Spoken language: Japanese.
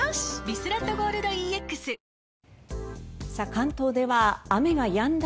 関東では雨がやんだ